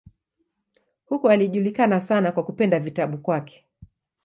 Huko alijulikana sana kwa kupenda vitabu kwake.